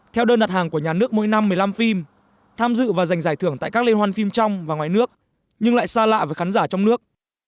theo đơn đặt hàng của nhà nước mỗi năm một mươi năm phim tham dự và giành giải thưởng tại các lê hoan phim trong và ngoài nước nhưng lại xa lạ với khán giả trong nước